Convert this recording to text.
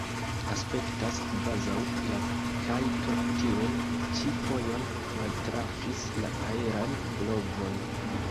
Aspektas, kvazaŭ la kajto tiun ĉi fojon maltrafus la aeran blovon.